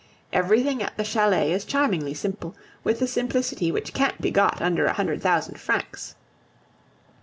Everything at the chalet is charmingly simple, with the simplicity which can't be got under a hundred thousand francs.